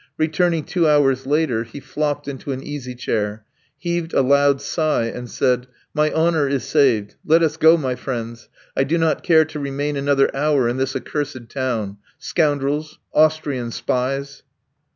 Returning two hours later he flopped into an easy chair, heaved a loud sigh, and said: "My honour is saved. Let us go, my friend; I do not care to remain another hour in this accursed town. Scoundrels! Austrian spies!"